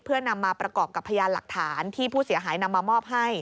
เพื่อนำมาประกอบกับพยานหลักฐานที่ผู้เสียหายนำมามอบให้